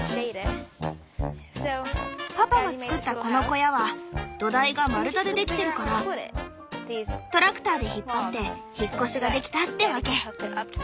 パパが造ったこの小屋は土台が丸太でできてるからトラクターで引っ張って引っ越しができたってわけ。